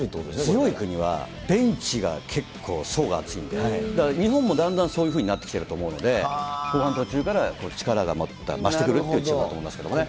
強い国はベンチが層が厚いんで、日本もだんだんそういうふうになってきてると思うので、後半途中から力が増してくるっていうことだと思いますけれどもね。